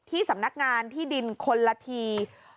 สำนักงานที่ดินคนละที